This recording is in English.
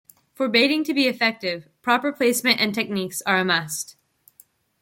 For baiting to be effective, proper placement and techniques are a must.